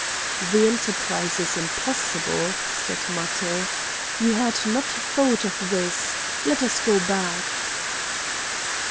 "The enterprise is impossible," said Matho. "You had not thought of this! Let us go back!"